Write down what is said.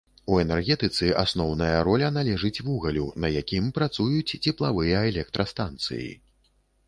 У энергетыцы асноўная роля належыць вугалю, на якім працуюць цеплавыя электрастанцыі.